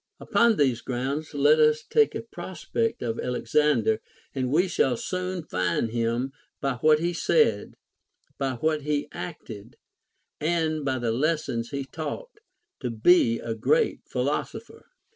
Upon these grounds let us take a prospect of Alexander, and we shall soon find him, by what he said, by \vhat he acted, and by the lessons he taught, to be a great philosopher.